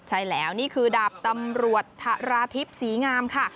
ใช่แล้วนี่คือดาบตำรวจธราทิพย์ศรีงามค่ะ